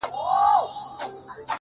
o چا ویل دا چي ـ ژوندون آسان دی ـ